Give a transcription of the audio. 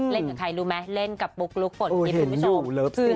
เล่นกับใครรู้มั้ยเล่นกับปุ๊กลุ๊กผลกิจผู้ชม